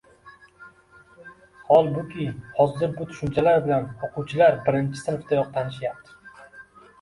Holbuki, hozir bu tushunchalar bilan o‘quvchilar birinchi sinfdayoq tanishyapti.